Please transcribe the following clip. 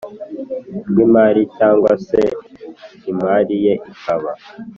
rw imari cyangwa se imari ye ikaba